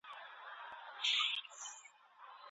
د لاس لیکنه د ټولنیزو ادابو زده کړه ده.